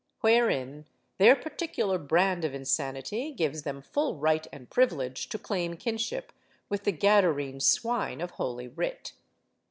Wherein, their particular brand of insanity gives them full right and privilege to claim kinship with the Gadarene swine of Holy Writ.